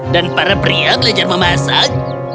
dan para pria belajar memasak